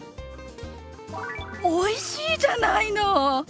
おいしいじゃないの！